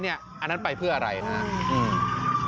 อันนั้นไปเพื่ออะไรนะครับ